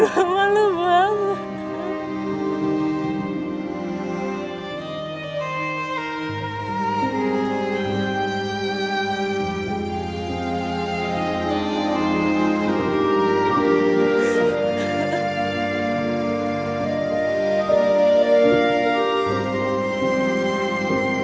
gue malu banget